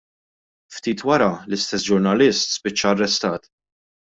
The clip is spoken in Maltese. Ftit wara, l-istess ġurnalist spiċċa arrestat.